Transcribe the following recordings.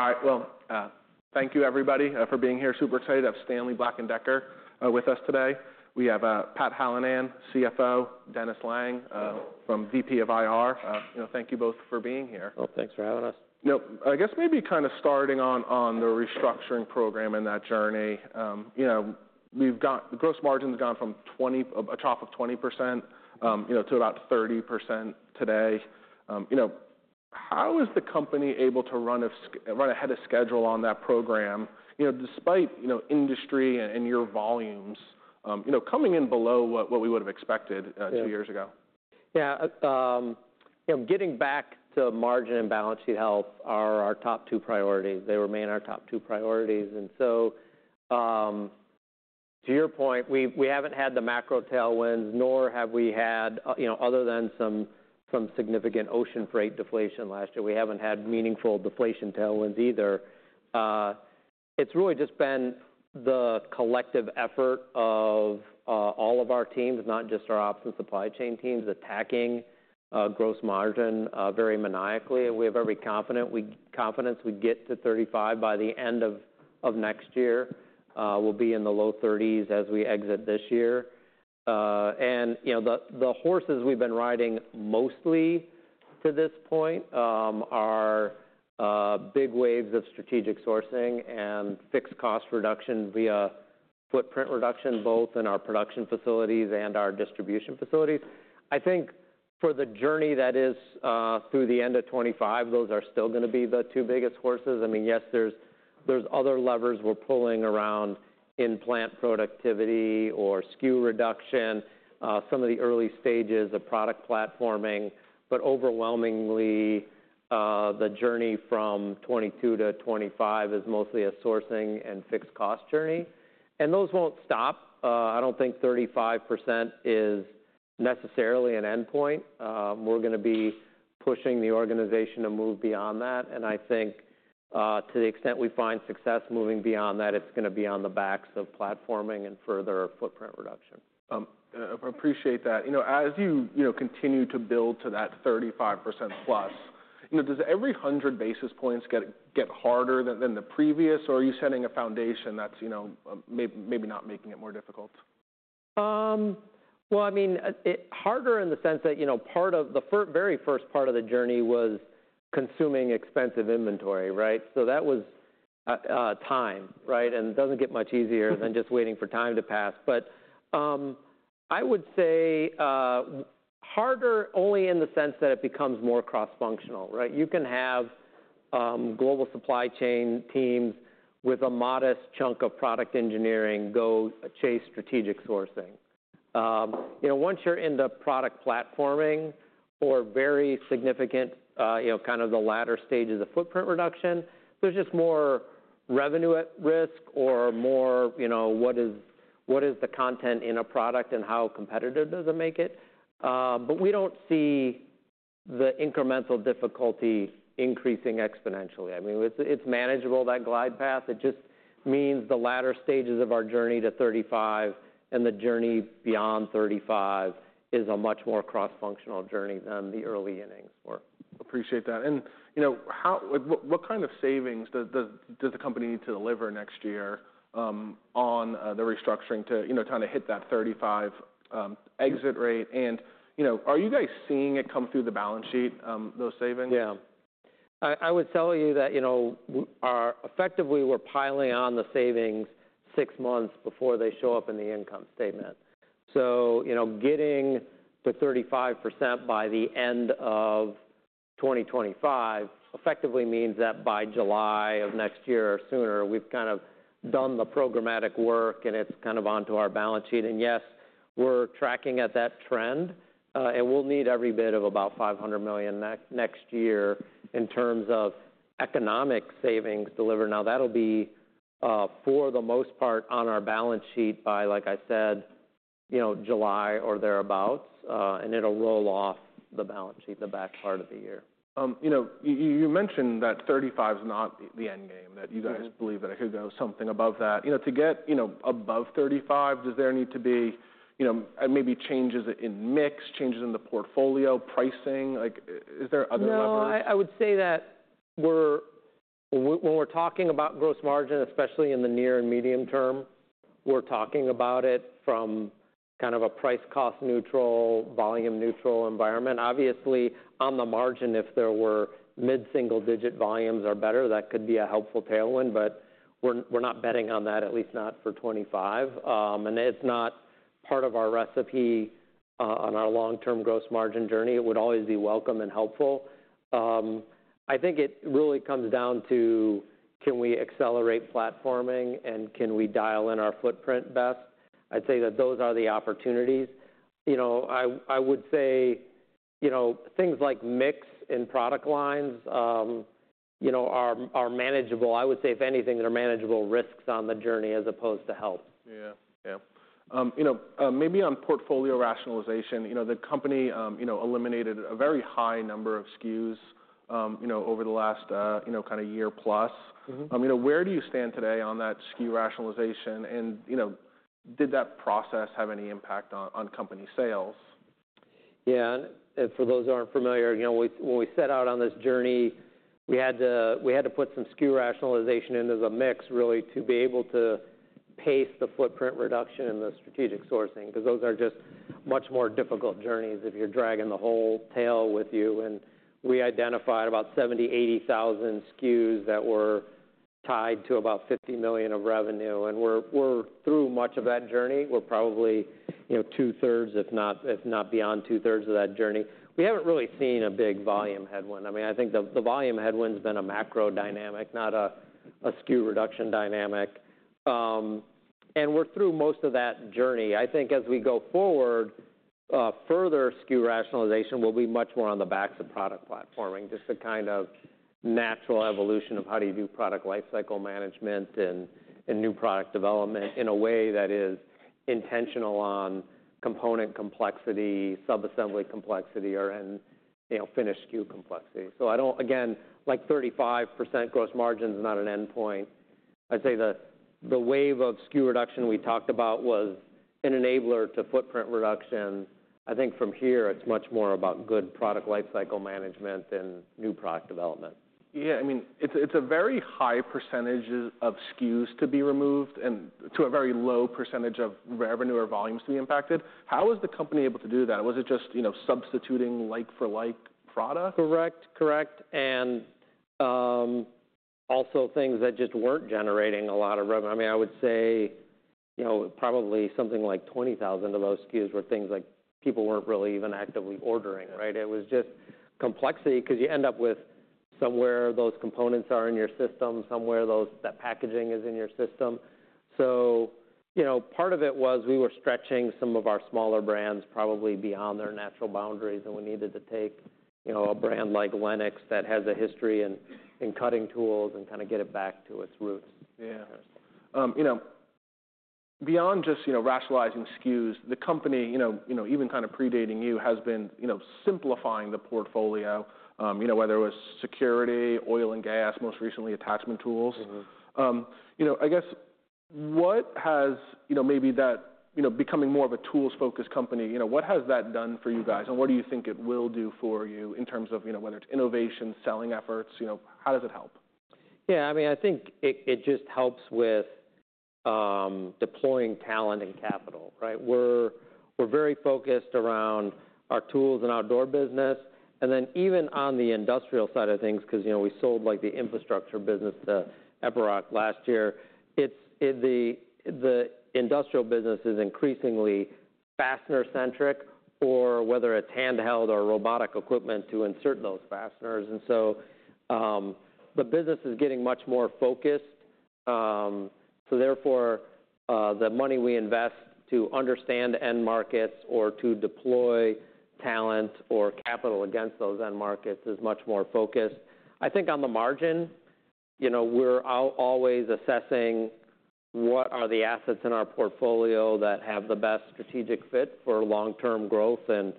All right. Well, thank you everybody for being here. Super excited to have Stanley Black & Decker with us today. We have Pat Hallinan, CFO, Dennis Lange from VP of IR. You know, thank you both for being here. Well, thanks for having us. You know, I guess maybe kind of starting on the restructuring program and that journey. You know, we've got the gross margins gone from a top of 20% to about 30% today. You know, how is the company able to run ahead of schedule on that program, you know, despite industry and your volumes coming in below what we would've expected? Yeah... two years ago? Yeah. You know, getting back to margin and balance sheet health are our top two priorities. They remain our top two priorities, and so, to your point, we haven't had the macro tailwinds, nor have we had, you know, other than some significant ocean freight deflation last year, we haven't had meaningful deflation tailwinds either. It's really just been the collective effort of all of our teams, not just our ops and supply chain teams, attacking gross margin very maniacally. We have every confidence we get to 35% by the end of next year. We'll be in the low 30s% as we exit this year. And, you know, the horses we've been riding mostly to this point are big waves of strategic sourcing and fixed cost reduction via footprint reduction, both in our production facilities and our distribution facilities. I think for the journey that is through the end of 2025, those are still gonna be the two biggest horses. I mean, yes, there's other levers we're pulling around in plant productivity or SKU reduction, some of the early stages of product platforming, but overwhelmingly, the journey from 2022 to 2025 is mostly a sourcing and fixed cost journey. Those won't stop. I don't think 35% is necessarily an endpoint. We're gonna be pushing the organization to move beyond that, and I think, to the extent we find success moving beyond that, it's gonna be on the backs of platforming and further footprint reduction. I appreciate that. You know, as you, you know, continue to build to that 35% plus, you know, does every hundred basis points get harder than the previous, or are you setting a foundation that's, you know, maybe not making it more difficult? Well, I mean, harder in the sense that, you know, part of the very first part of the journey was consuming expensive inventory, right? So that was time, right? It doesn't get much easier than just waiting for time to pass. I would say harder only in the sense that it becomes more cross-functional, right? You can have global supply chain teams with a modest chunk of product engineering go chase strategic sourcing. You know, once you're into product platforming or very significant, you know, kind of the latter stages of footprint reduction, there's just more revenue at risk or more, you know, what is the content in a product and how competitive does it make it? We don't see the incremental difficulty increasing exponentially. I mean, it's manageable, that glide path. It just means the latter stages of our journey to thirty-five and the journey beyond thirty-five is a much more cross-functional journey than the early innings were. Appreciate that. And, you know, what kind of savings does the company need to deliver next year, on the restructuring to, you know, kind of hit that 35 exit rate? And, you know, are you guys seeing it come through the balance sheet, those savings? Yeah. I would tell you that, you know, effectively, we're piling on the savings six months before they show up in the income statement. So, you know, getting to 35% by the end of 2025 effectively means that by July of next year or sooner, we've kind of done the programmatic work, and it's kind of onto our balance sheet. And yes, we're tracking at that trend, and we'll need every bit of about $500 million next year in terms of economic savings delivered. Now, that'll be, for the most part, on our balance sheet by, like I said, you know, July or thereabout, and it'll roll off the balance sheet the back part of the year. You know, you mentioned that 35 is not the end game-... that you guys believe that it could go something above that. You know, to get, you know, above thirty-five, does there need to be, you know, maybe changes in mix, changes in the portfolio, pricing? Like, is there other levers? No, I would say that when we're talking about gross margin, especially in the near and medium term, we're talking about it from kind of a price-cost neutral, volume-neutral environment. Obviously, on the margin, if there were mid-single digit volumes or better, that could be a helpful tailwind, but we're not betting on that, at least not for 2025. And it's not part of our recipe on our long-term gross margin journey. It would always be welcome and helpful. I think it really comes down to, can we accelerate platforming, and can we dial in our footprint best? I'd say that those are the opportunities. You know, I would say, you know, things like mix and product lines, you know, are manageable. I would say, if anything, they're manageable risks on the journey as opposed to help. Yeah. Yeah. You know, maybe on portfolio rationalization, you know, the company you know eliminated a very high number of SKUs, you know, over the last, you know, kind of year plus. You know, where do you stand today on that SKU rationalization? And, you know, did that process have any impact on company sales?... Yeah, and for those who aren't familiar, you know, when we set out on this journey, we had to put some SKU rationalization into the mix, really, to be able to pace the footprint reduction and the strategic sourcing, 'cause those are just much more difficult journeys if you're dragging the whole tail with you. And we identified about 70-80 thousand SKUs that were tied to about $50 million of revenue, and we're through much of that journey. We're probably, you know, two-thirds, if not beyond two-thirds of that journey. We haven't really seen a big volume headwind. I mean, I think the volume headwind's been a macro dynamic, not a SKU reduction dynamic. And we're through most of that journey. I think as we go forward, further SKU rationalization will be much more on the backs of product platforming, just the kind of natural evolution of how do you do product lifecycle management and new product development in a way that is intentional on component complexity, sub-assembly complexity, or and, you know, finished SKU complexity. So, I don't, again, like, 35% gross margin is not an endpoint. I'd say the wave of SKU reduction we talked about was an enabler to footprint reduction. I think from here, it's much more about good product lifecycle management than new product development. Yeah, I mean, it's a very high percentage of SKUs to be removed and to a very low percentage of revenue or volumes to be impacted. How is the company able to do that? Was it just, you know, substituting like-for-like product? Correct. Correct, and also things that just weren't generating a lot of revenue. I mean, I would say, you know, probably something like twenty thousand of those SKUs were things like, people weren't really even actively ordering, right? It was just complexity, 'cause you end up with somewhere those components are in your system, somewhere that packaging is in your system. So, you know, part of it was we were stretching some of our smaller brands probably beyond their natural boundaries, and we needed to take, you know, a brand like Lenox that has a history in cutting tools and kind of get it back to its roots. Yeah. You know, beyond just you know, rationalizing SKUs, the company you know, even kind of predating you, has been you know, simplifying the portfolio. You know, whether it was security, oil and gas, most recently attachment tools. You know, I guess what has... You know, maybe that, you know, becoming more of a tools-focused company, you know, what has that done for you guys, and what do you think it will do for you in terms of, you know, whether it's innovation, selling efforts, you know, how does it help? Yeah, I mean, I think it just helps with deploying talent and capital, right? We're very focused around our tools and outdoor business, and then even on the industrial side of things, 'cause, you know, we sold, like, the infrastructure business to Epiroc last year, it's the industrial business is increasingly fastener-centric, or whether it's handheld or robotic equipment to insert those fasteners. And so, the business is getting much more focused. So therefore, the money we invest to understand end markets or to deploy talent or capital against those end markets is much more focused. I think on the margin, you know, we're always assessing what are the assets in our portfolio that have the best strategic fit for long-term growth and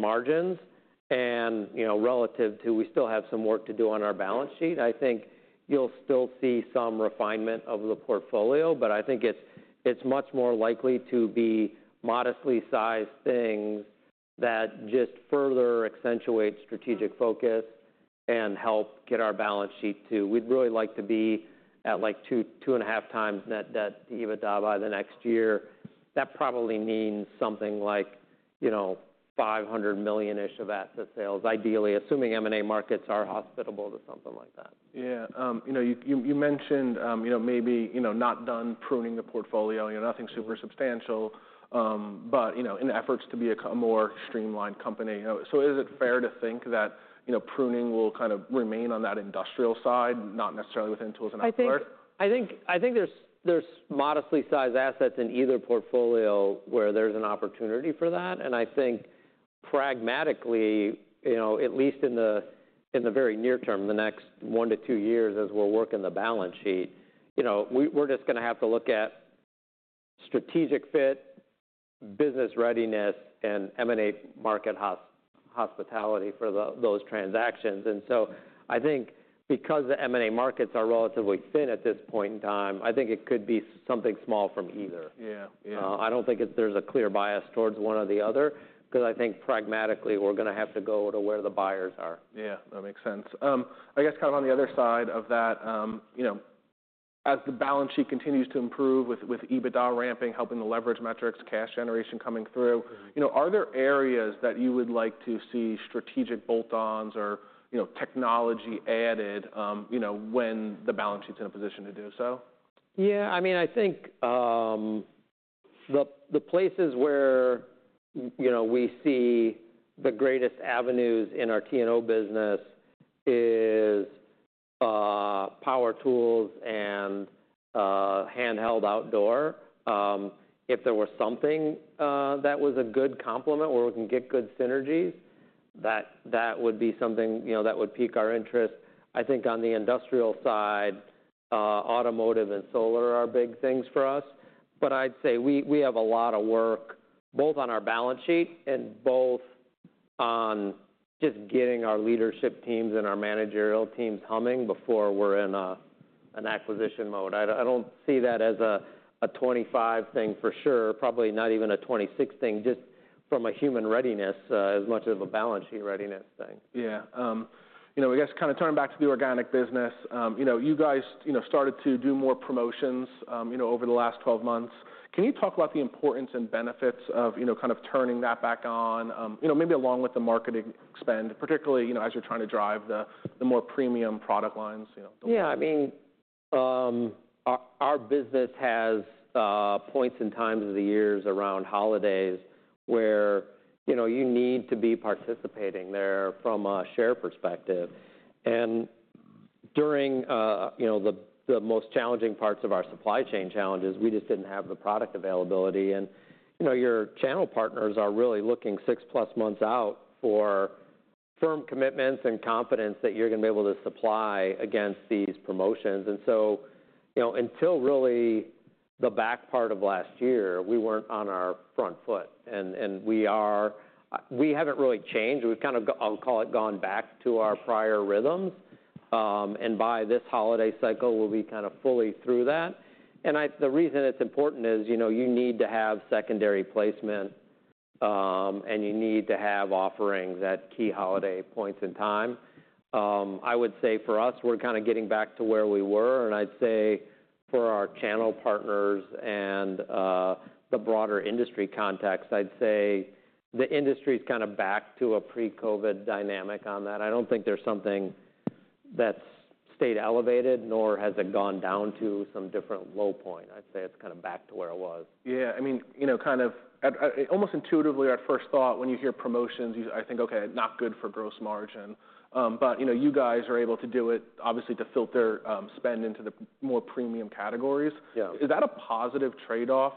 margins. You know, relative to, we still have some work to do on our balance sheet. I think you'll still see some refinement of the portfolio, but I think it's, it's much more likely to be modestly sized things that just further accentuate strategic focus and help get our balance sheet to... We'd really like to be at, like, two, two and a half times net debt to EBITDA by the next year. That probably means something like, you know, $500 million-ish of asset sales, ideally, assuming M&A markets are hospitable to something like that. Yeah. You know, you mentioned, you know, maybe, you know, not done pruning the portfolio, you know, nothing super substantial, but, you know, in efforts to be a more streamlined company. You know, so is it fair to think that, you know, pruning will kind of remain on that industrial side, not necessarily within tools and outdoor? I think, I think there's modestly sized assets in either portfolio where there's an opportunity for that. And I think pragmatically, you know, at least in the very near term, the next one to two years as we're working the balance sheet, you know, we're just gonna have to look at strategic fit, business readiness, and M&A market hospitality for those transactions. And so I think because the M&A markets are relatively thin at this point in time, I think it could be something small from either. Yeah. Yeah. I don't think there's a clear bias towards one or the other, 'cause I think pragmatically, we're gonna have to go to where the buyers are. Yeah, that makes sense. I guess kind of on the other side of that, you know, as the balance sheet continues to improve with EBITDA ramping, helping the leverage metrics, cash generation coming through- You know, are there areas that you would like to see strategic bolt-ons or, you know, technology added, you know, when the balance sheet's in a position to do so? Yeah, I mean, I think, the places where, you know, we see the greatest avenues in our T&O business is, power tools and, handheld outdoor. If there were something, that was a good complement where we can get good synergies, that would be something, you know, that would pique our interest. I think on the industrial side, automotive and solar are big things for us. But I'd say we have a lot of work, both on our balance sheet and both on just getting our leadership teams and our managerial teams humming before we're in an acquisition mode. I don't see that as a 2025 thing for sure. Probably not even a 2026 thing, just from a human readiness, as much of a balance sheet readiness thing. Yeah. You know, I guess kind of turning back to the organic business, you know, you guys, you know, started to do more promotions, you know, over the last twelve months. Can you talk about the importance and benefits of, you know, kind of turning that back on? You know, maybe along with the marketing spend, particularly, you know, as you're trying to drive the more premium product lines, you know, the- Yeah, I mean, our business has points in times of the years around holidays where, you know, you need to be participating there from a share perspective. And during, you know, the most challenging parts of our supply chain challenges, we just didn't have the product availability. And, you know, your channel partners are really looking six plus months out for firm commitments and confidence that you're gonna be able to supply against these promotions. And so, you know, until really the back part of last year, we weren't on our front foot, and we haven't really changed. We've kind of gone back to our prior rhythms. And by this holiday cycle, we'll be kind of fully through that. The reason it's important is, you know, you need to have secondary placement, and you need to have offerings at key holiday points in time. I would say for us, we're kind of getting back to where we were, and I'd say for our channel partners and the broader industry context, I'd say the industry's kind of back to a pre-COVID dynamic on that. I don't think there's something that's stayed elevated, nor has it gone down to some different low point. I'd say it's kind of back to where it was. Yeah, I mean, you know, kind of almost intuitively, our first thought when you hear promotions, I think, okay, not good for gross margin, but you know, you guys are able to do it, obviously, to filter spend into the more premium categories. Yeah. Is that a positive trade-off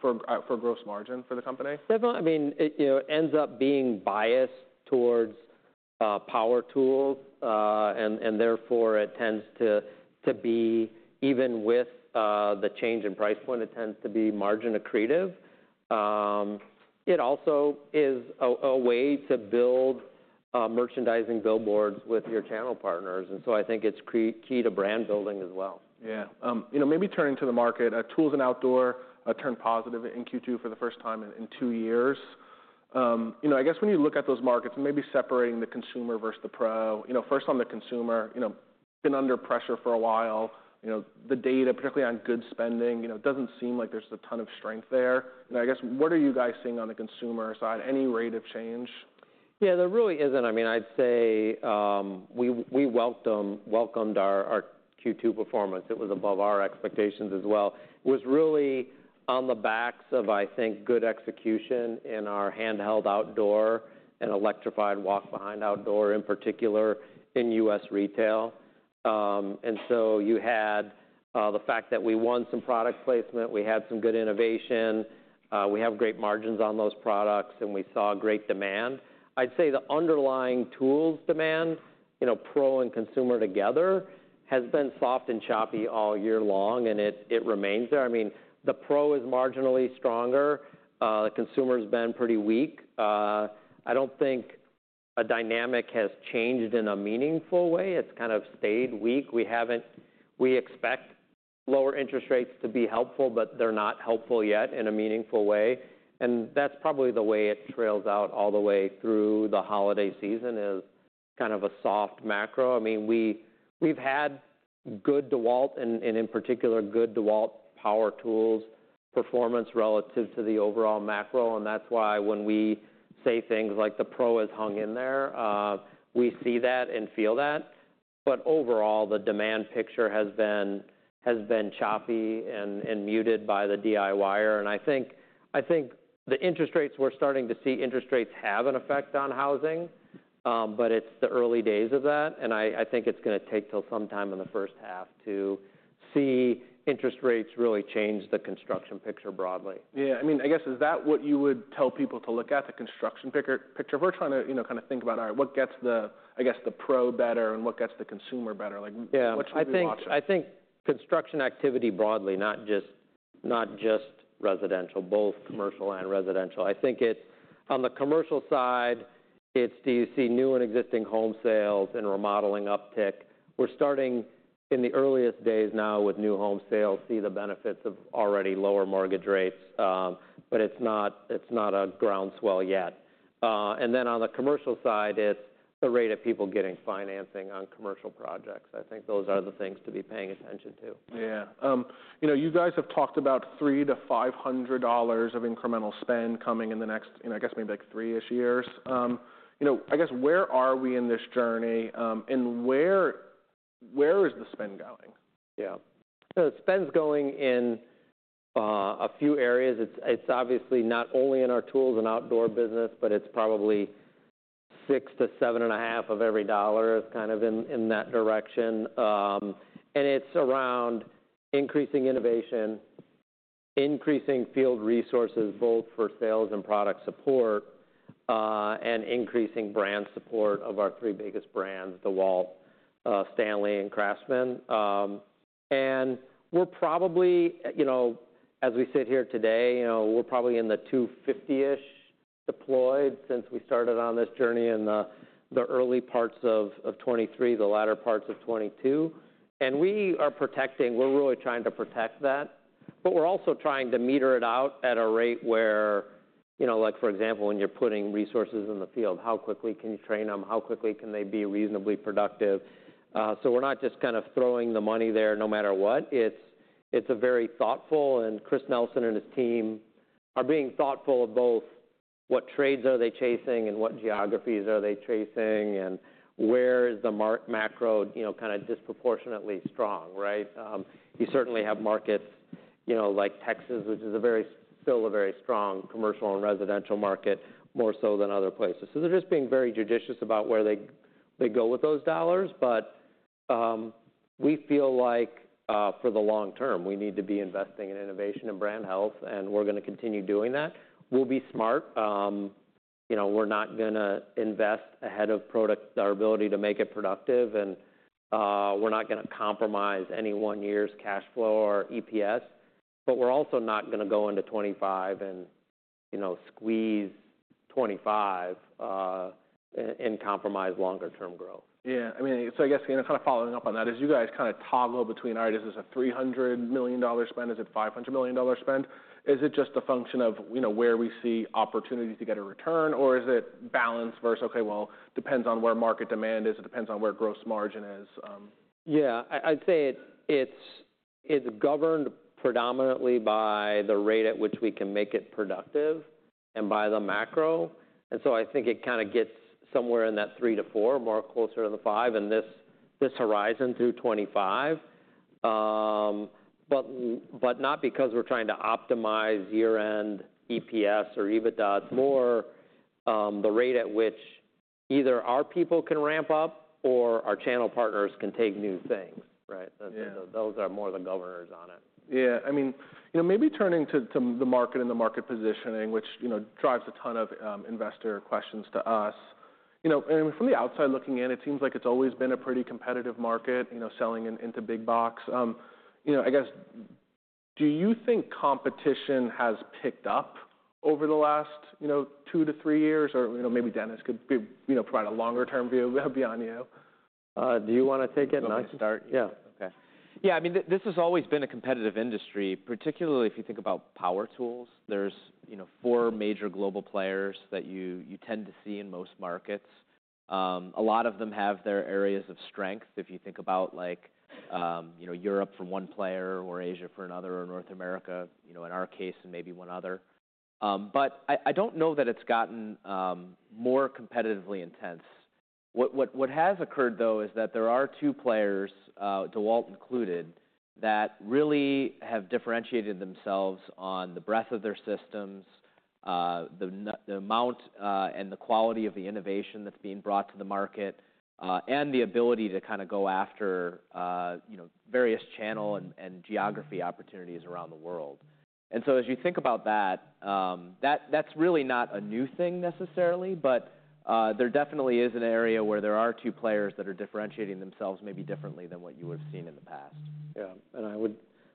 for gross margin for the company? Definitely, I mean, it you know ends up being biased towards power tools and therefore it tends to be, even with the change in price point, margin accretive. It also is a way to build merchandising billboards with your channel partners, and so I think it's key to brand building as well. Yeah. You know, maybe turning to the market, Tools and Outdoor, turned positive in Q2 for the first time in two years. You know, I guess when you look at those markets, maybe separating the consumer versus the pro, you know, first on the consumer, you know, been under pressure for a while. You know, the data, particularly on goods spending, you know, doesn't seem like there's a ton of strength there. And I guess, what are you guys seeing on the consumer side? Any rate of change? Yeah, there really isn't. I mean, I'd say we welcomed our Q2 performance. It was above our expectations as well. It was really on the backs of, I think, good execution in our handheld outdoor and electrified walk-behind outdoor, in particular, in US retail, and so you had the fact that we won some product placement, we had some good innovation, we have great margins on those products, and we saw great demand. I'd say the underlying tools demand, you know, pro and consumer together, has been soft and choppy all year long, and it remains there. I mean, the pro is marginally stronger. The consumer's been pretty weak. I don't think a dynamic has changed in a meaningful way. It's kind of stayed weak. We expect lower interest rates to be helpful, but they're not helpful yet in a meaningful way, and that's probably the way it trails out all the way through the holiday season, is kind of a soft macro. I mean, we, we've had good DeWalt and in particular, good DeWalt power tools performance relative to the overall macro, and that's why when we say things like, "The pro has hung in there," we see that and feel that. But overall, the demand picture has been choppy and muted by the DIYer. And I think the interest rates, we're starting to see interest rates have an effect on housing, but it's the early days of that, and I think it's gonna take till sometime in the first half to see interest rates really change the construction picture broadly. Yeah, I mean, I guess, is that what you would tell people to look at, the construction picture? If we're trying to, you know, kind of think about, all right, what gets the, I guess, the pro better and what gets the consumer better, like- Yeah... what should we be watching? I think construction activity broadly, not just residential, both commercial and residential. I think it on the commercial side, it's do you see new and existing home sales and remodeling uptick? We're starting in the earliest days now with new home sales, see the benefits of already lower mortgage rates, but it's not a groundswell yet. And then on the commercial side, it's the rate of people getting financing on commercial projects. I think those are the things to be paying attention to. Yeah. You know, you guys have talked about $300-$500 of incremental spend coming in the next, you know, I guess maybe like three-ish years. You know, I guess, where are we in this journey, and where is the spend going? Yeah. The spend's going in a few areas. It's obviously not only in our tools and outdoor business, but it's probably 6 to 7.5 of every dollar is kind of in that direction. And it's around increasing innovation, increasing field resources, both for sales and product support, and increasing brand support of our three biggest brands, DeWalt, Stanley, and Craftsman. And we're probably, you know, as we sit here today, you know, we're probably in the $250-ish deployed since we started on this journey in the early parts of 2023, the latter parts of 2022. We are protecting, we're really trying to protect that, but we're also trying to meter it out at a rate where, you know, like, for example, when you're putting resources in the field, how quickly can you train them? How quickly can they be reasonably productive? So we're not just kind of throwing the money there no matter what. It's a very thoughtful, and Chris Nelson and his team are being thoughtful of both what trades are they chasing and what geographies are they chasing, and where is the macro, you know, kind of disproportionately strong, right? You certainly have markets, you know, like Texas, which is still a very strong commercial and residential market, more so than other places. So they're just being very judicious about where they go with those dollars. But, we feel like, for the long term, we need to be investing in innovation and brand health, and we're gonna continue doing that. We'll be smart. You know, we're not gonna invest ahead of product, our ability to make it productive, and we're not gonna compromise any one year's cash flow or EPS, but we're also not gonna go into 2025 and, you know, squeeze 2025, and compromise longer term growth. Yeah. I mean, so I guess, you know, kind of following up on that, as you guys kind of toggle between, all right, is this a $300 million spend? Is it a $500 million spend? Is it just a function of, you know, where we see opportunities to get a return, or is it balance versus, okay, well, depends on where market demand is, it depends on where gross margin is? Yeah. I'd say it's governed predominantly by the rate at which we can make it productive and by the macro. So I think it kind of gets somewhere in that three to four, more closer to the five in this horizon through 2025. But not because we're trying to optimize year-end EPS or EBITDA. It's more the rate at which either our people can ramp up or our channel partners can take new things, right? Yeah. Those are more the governors on it. Yeah, I mean, you know, maybe turning to the market and the market positioning, which, you know, drives a ton of investor questions to us. You know, and from the outside looking in, it seems like it's always been a pretty competitive market, you know, selling into big box. You know, I guess, do you think competition has picked up over the last two to three years? Or, you know, maybe Dennis could give, you know, provide a longer-term view beyond you. Do you want to take it, and I can start? Yeah. Okay. Yeah, I mean, this has always been a competitive industry, particularly if you think about power tools. There's, you know, four major global players that you tend to see in most markets. A lot of them have their areas of strength. If you think about, like, you know, Europe for one player, or Asia for another, or North America, you know, in our case, and maybe one other. But I don't know that it's gotten more competitively intense. What has occurred, though, is that there are two players, DeWalt included, that really have differentiated themselves on the breadth of their systems, the amount, and the quality of the innovation that's being brought to the market, and the ability to kind of go after, you know, various channel and geography opportunities around the world. And so as you think about that, that's really not a new thing necessarily, but there definitely is an area where there are two players that are differentiating themselves maybe differently than what you would have seen in the past. Yeah.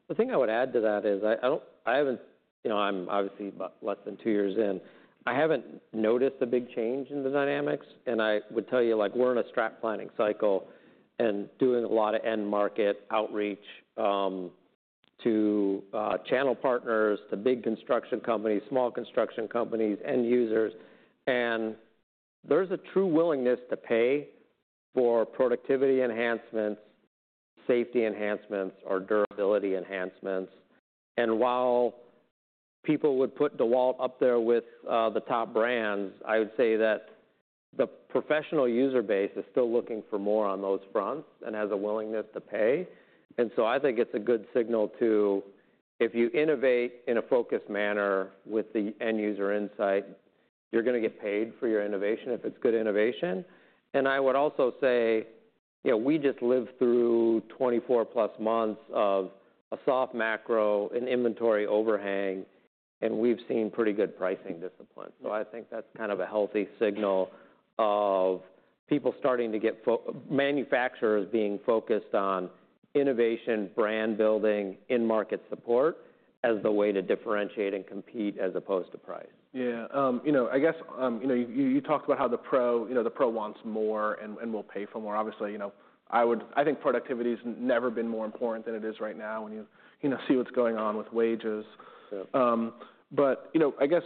The thing I would add to that is, I don't... I haven't... You know, I'm obviously about less than two years in, I haven't noticed a big change in the dynamics, and I would tell you, like, we're in a strategic planning cycle and doing a lot of end market outreach to channel partners, to big construction companies, small construction companies, end users. And there's a true willingness to pay for productivity enhancements, safety enhancements, or durability enhancements. And while people would put DeWalt up there with the top brands, I would say that the professional user base is still looking for more on those fronts and has a willingness to pay. And so I think it's a good signal, too. If you innovate in a focused manner with the end user insight, you're gonna get paid for your innovation if it's good innovation. And I would also say, you know, we just lived through twenty-four plus months of a soft macro and inventory overhang, and we've seen pretty good pricing discipline. So I think that's kind of a healthy signal of people starting to get manufacturers being focused on innovation, brand building, in-market support, as the way to differentiate and compete, as opposed to price. Yeah. You know, I guess you know you talked about how the pro, you know, the pro wants more and will pay for more. Obviously, you know, I would, I think productivity's never been more important than it is right now, when you, you know, see what's going on with wages. Yeah. But, you know, I guess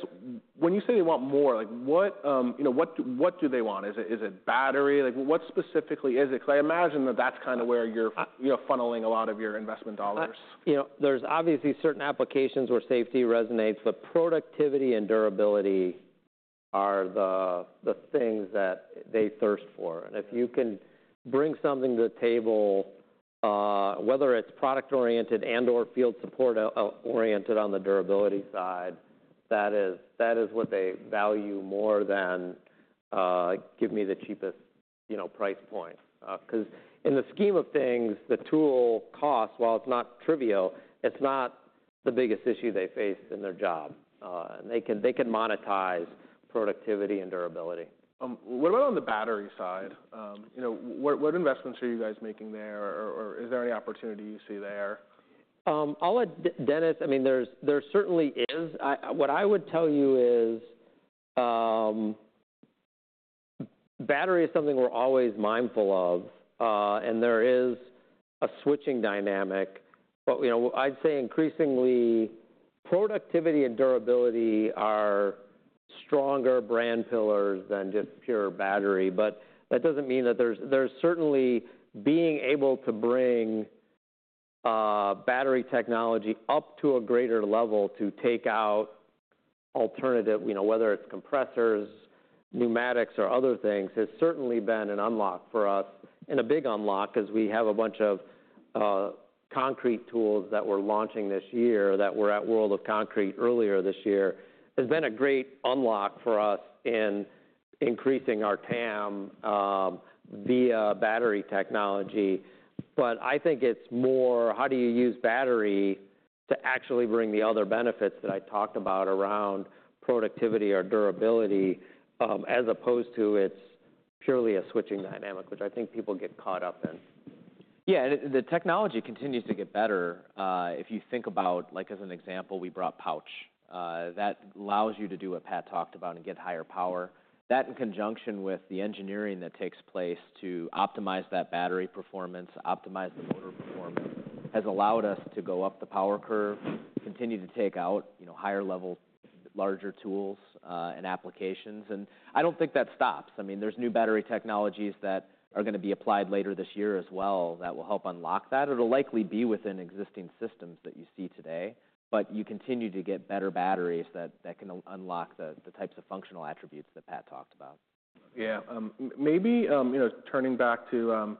when you say they want more, like, what, you know, what do they want? Is it battery? Like, what specifically is it? Because I imagine that that's kind of where you're, you know, funneling a lot of your investment dollars. You know, there's obviously certain applications where safety resonates, but productivity and durability are the things that they thirst for. And if you can bring something to the table, whether it's product-oriented and/or field support oriented on the durability side, that is what they value more than give me the cheapest, you know, price point. 'Cause in the scheme of things, the tool cost, while it's not trivial, it's not the biggest issue they face in their job. And they can monetize productivity and durability. What about on the battery side? You know, what investments are you guys making there, or is there any opportunity you see there?... I'll let Dennis, I mean, there's, there certainly is. What I would tell you is, battery is something we're always mindful of, and there is a switching dynamic. But, you know, I'd say increasingly, productivity and durability are stronger brand pillars than just pure battery. But that doesn't mean that there's. There's certainly being able to bring battery technology up to a greater level to take out alternative, you know, whether it's compressors, pneumatics, or other things, has certainly been an unlock for us, and a big unlock, as we have a bunch of concrete tools that we're launching this year that were at World of Concrete earlier this year. It's been a great unlock for us in increasing our TAM via battery technology. But I think it's more, how do you use battery to actually bring the other benefits that I talked about around productivity or durability, as opposed to it's purely a switching dynamic, which I think people get caught up in. Yeah, and the technology continues to get better. If you think about, like, as an example, we brought pouch that allows you to do what Pat talked about and get higher power. That, in conjunction with the engineering that takes place to optimize that battery performance, optimize the motor performance, has allowed us to go up the power curve, continue to take out, you know, higher level, larger tools, and applications. And I don't think that stops. I mean, there's new battery technologies that are gonna be applied later this year as well, that will help unlock that. It'll likely be within existing systems that you see today, but you continue to get better batteries that can unlock the types of functional attributes that Pat talked about. Yeah, maybe, you know, turning back to,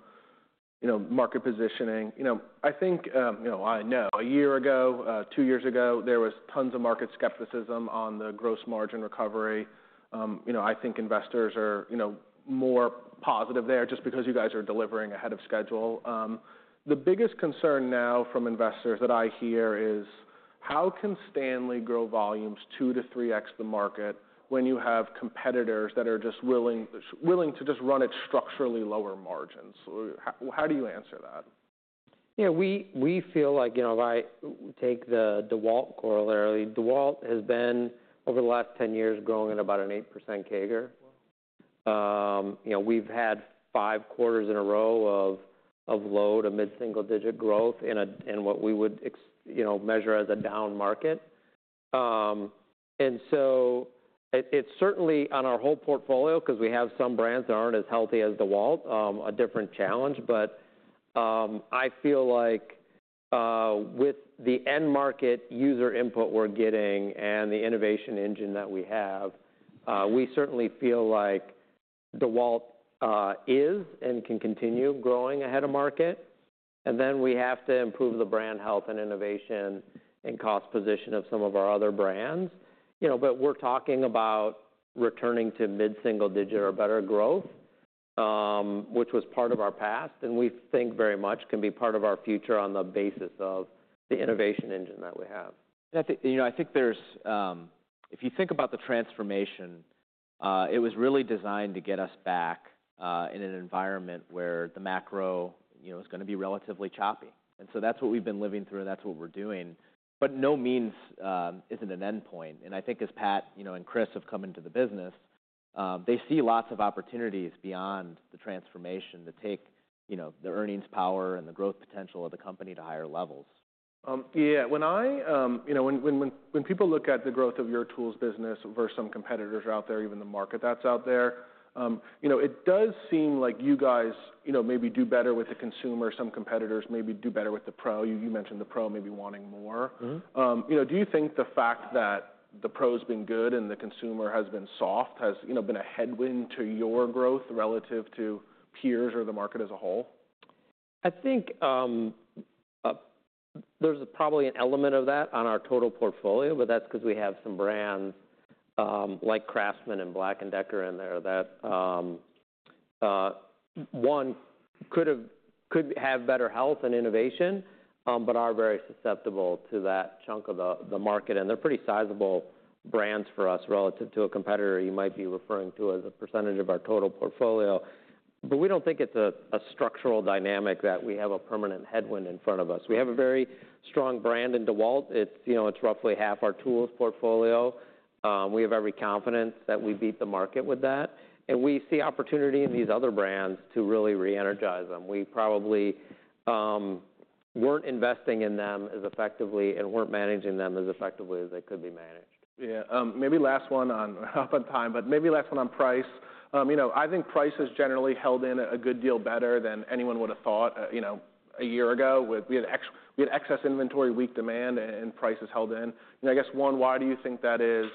you know, market positioning. You know, I think, you know... I know a year ago, two years ago, there was tons of market skepticism on the gross margin recovery. You know, I think investors are, you know, more positive there, just because you guys are delivering ahead of schedule. The biggest concern now from investors that I hear is: How can Stanley grow volumes two to three X the market when you have competitors that are just willing to just run at structurally lower margins? So how do you answer that? Yeah, we feel like, you know, if I take the DeWalt corollary, DeWalt has been, over the last 10 years, growing at about an 8% CAGR. You know, we've had five quarters in a row of low to mid-single digit growth in what we would you know, measure as a down market. And so it's certainly on our whole portfolio, because we have some brands that aren't as healthy as DeWalt, a different challenge. But I feel like, with the end market user input we're getting and the innovation engine that we have, we certainly feel like DeWalt is and can continue growing ahead of market. And then we have to improve the brand health, and innovation, and cost position of some of our other brands. You know, but we're talking about returning to mid-single digit or better growth, which was part of our past, and we think very much can be part of our future on the basis of the innovation engine that we have. And I think, you know, I think there's. If you think about the transformation, it was really designed to get us back in an environment where the macro, you know, was gonna be relatively choppy. And so that's what we've been living through, and that's what we're doing, but by no means is an endpoint. And I think as Pat, you know, and Chris have come into the business, they see lots of opportunities beyond the transformation to take, you know, the earnings power and the growth potential of the company to higher levels. Yeah, when I, you know, when people look at the growth of your tools business versus some competitors out there, even the market that's out there, you know, it does seem like you guys, you know, maybe do better with the consumer, some competitors maybe do better with the pro. You mentioned the pro maybe wanting more. Mm-hmm. You know, do you think the fact that the pro's been good and the consumer has been soft has, you know, been a headwind to your growth relative to peers or the market as a whole? I think there's probably an element of that on our total portfolio, but that's because we have some brands like Craftsman and Black & Decker in there, that could have better health and innovation, but are very susceptible to that chunk of the market, and they're pretty sizable brands for us relative to a competitor you might be referring to as a percentage of our total portfolio. But we don't think it's a structural dynamic that we have a permanent headwind in front of us. We have a very strong brand in DeWalt. It's, you know, it's roughly half our tools portfolio. We have every confidence that we beat the market with that, and we see opportunity in these other brands to really re-energize them. We probably weren't investing in them as effectively and weren't managing them as effectively as they could be managed. Yeah, maybe last one on time, but maybe last one on price. You know, I think price has generally held in a good deal better than anyone would have thought, you know, a year ago. We had excess inventory, weak demand, and prices held in. And I guess, one, why do you think that is?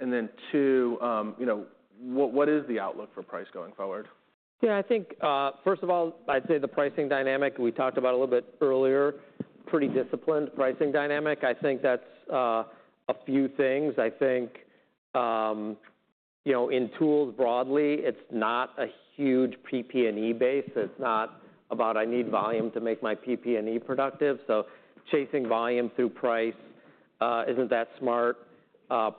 And then, two, you know, what is the outlook for price going forward? Yeah, I think, first of all, I'd say the pricing dynamic, we talked about a little bit earlier, pretty disciplined pricing dynamic. I think that's a few things. I think, you know, in tools broadly, it's not a huge PP&E base. It's not about, I need volume to make my PP&E productive, so chasing volume through price isn't that smart.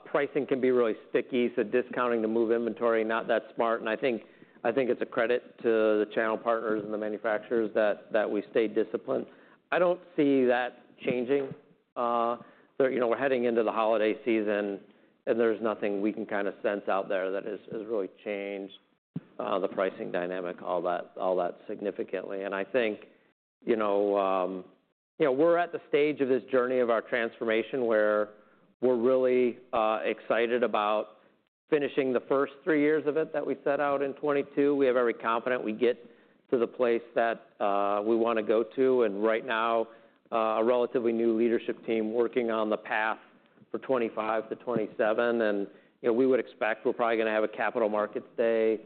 Pricing can be really sticky, so discounting to move inventory, not that smart, and I think it's a credit to the channel partners and the manufacturers that we stayed disciplined. I don't see that changing. So, you know, we're heading into the holiday season, and there's nothing we can kind of sense out there that has really changed the pricing dynamic all that significantly. And I think, you know, you know, we're at the stage of this journey of our transformation, where we're really excited about finishing the first three years of it that we set out in 2022. We have every confidence we get to the place that we want to go to, and right now a relatively new leadership team working on the path for 2025 to 2027. And, you know, we would expect we're probably gonna have a capital markets day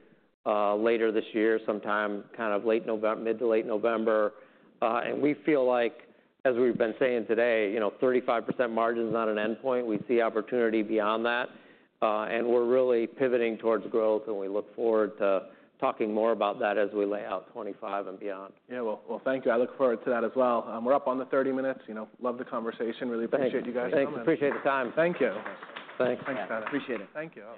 later this year, sometime kind of late November, mid to late November. And we feel like, as we've been saying today, you know, 35% margin is not an endpoint. We see opportunity beyond that, and we're really pivoting towards growth, and we look forward to talking more about that as we lay out 2025 and beyond. Yeah. Well, thank you. I look forward to that as well. We're up on the thirty minutes, you know, love the conversation. Really appreciate you guys- Thanks. Appreciate the time. Thank you. Thanks. Thanks, guys. Appreciate it. Thank you. All right.